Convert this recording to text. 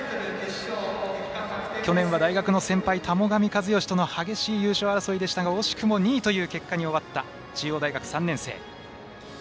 去年は大学の先輩田母神一喜との激しい優勝争いでしたが惜しくも２位という結果に終わった中央大学３年生。